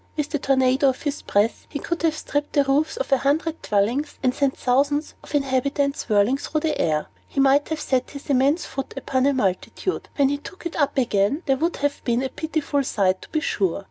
With the tornado of his breath, he could have stripped the roofs from a hundred dwellings and sent thousands of the inhabitants whirling through the air. He might have set his immense foot upon a multitude; and when he took it up again, there would have been a pitiful sight, to be sure.